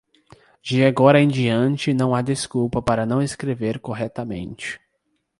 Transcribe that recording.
De agora em diante não há desculpa para não escrever corretamente.